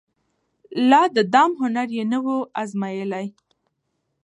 لا د دام هنر یې نه وو أزمېیلی